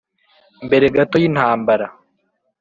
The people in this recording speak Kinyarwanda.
mbere gato y'intambara,